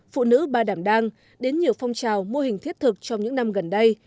phụ nữ ba đảm đang đến nhiều phong trào mô hình thiết thực trong những năm gần đây